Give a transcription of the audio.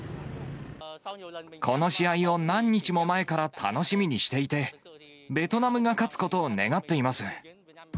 この試合を何日も前から楽しみにしていて、ベトナムが勝つことを願っています。